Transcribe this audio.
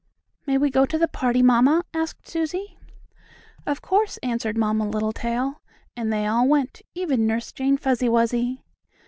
"May we go to the party, mamma?" asked Susie. "Of course," answered Mamma Littletail, and they all went, even Nurse Jane Fuzzy Wuzzy.